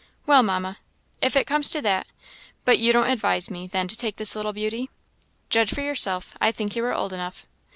"Well, Mamma, if it comes to that; but you don't advise me, then, to take this little beauty?" "Judge for yourself; I think you are old enough."